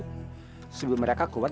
oh sebelum mereka keluar